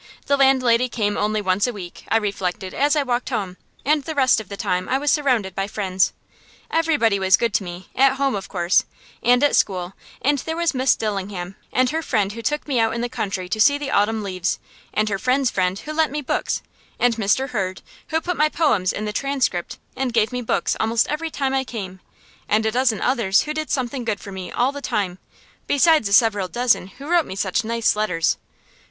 The landlady came only once a week, I reflected, as I walked, and the rest of the time I was surrounded by friends. Everybody was good to me, at home, of course, and at school; and there was Miss Dillingham, and her friend who took me out in the country to see the autumn leaves, and her friend's friend who lent me books, and Mr. Hurd, who put my poems in the "Transcript," and gave me books almost every time I came, and a dozen others who did something good for me all the time, besides the several dozen who wrote me such nice letters.